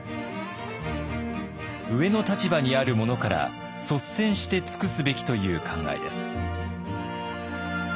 上の立場にある者から率先して尽くすべきという考えです。